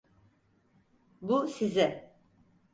Bu size.